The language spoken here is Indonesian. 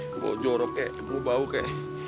mau jorok kek mau bau kek